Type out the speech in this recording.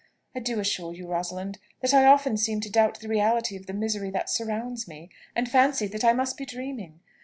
I do assure you, Rosalind, that I often seem to doubt the reality of the misery that surrounds me, and fancy that I must be dreaming.